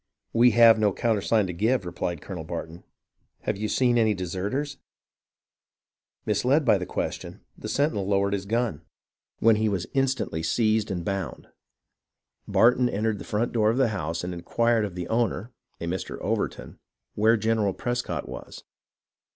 "We have no countersign to give," replied Colonel Bar ton. " Have you seen any deserters .'" Misled by the question, the sentinel lowered his gun. 232 HISTORY OF THE AMERICAN REVOLUTION when he was instantly seized and bound. Barton entered the front door of the house and inquired of the owner (a Mr. Overton) where General Prescott was.